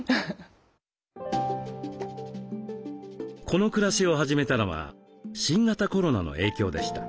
この暮らしを始めたのは新型コロナの影響でした。